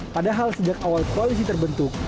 padahal sejak awal koalisi terbentuk